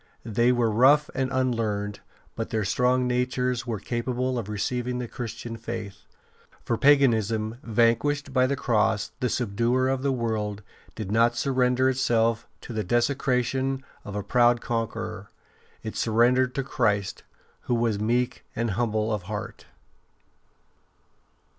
They , were rough and unlearned, but their strong natures were capable of receiving the Christian faith. For '' paganism, vanquished by the Cross, the subduer of the world, did not surrender itself to the discretion of a proud conqueror; it surrendered to Christ, who was meek and humble of heart.''